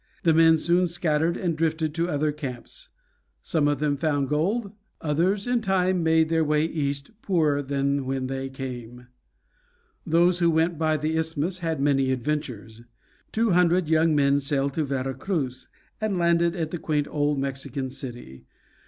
The men soon scattered and drifted to other camps; some of them found gold, others in time made their way east poorer than when they came. Those who went by the Isthmus had many adventures. Two hundred young men sailed to Vera Cruz, and landed at that quaint old Mexican city.